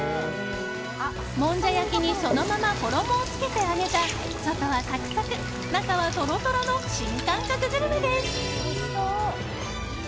もんじゃ焼きにそのまま衣をつけて揚げた外はサクサク、中はトロトロの新感覚グルメです。